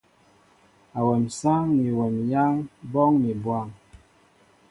Awem sááŋ ni wem yááŋ ɓóoŋ mi bwăm.